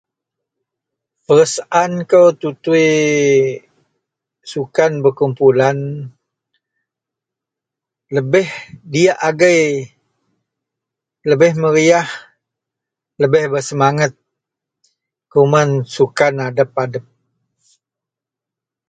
Perasaankou tutui sukan berkumpulan lebeh diyak agei, lebeh meriah, lebeh bersemanget kuman sukan adep-adep